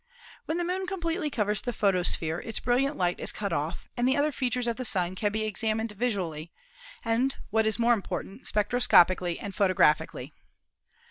When the Moon completely covers the photosphere its brilliant light is cut off and the other features of the Sun can be examined visually, and, what is more important, spectroscopically and photographically.